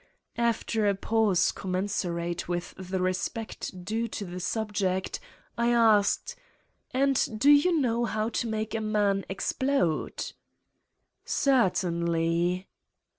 After a pause commensurate with the re spect due to the subject, I asked : "And do you know how to make a man ex plode 1" " Certainly.